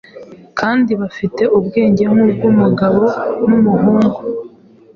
kandi bafite ubwenge nk’ubw’umugabo n’umuhungu